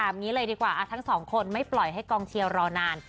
อย่างนี้เลยดีกว่าทั้งสองคนไม่ปล่อยให้กองเชียร์รอนาน